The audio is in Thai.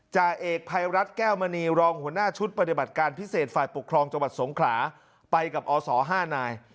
จ่าเอกภัยรัฐแก้วมณีรองหัวหน้าชุดปฏิบัติการพิเศษฝ่ายปกครองจังหวัดสงขลาไปกับอศ๕นาย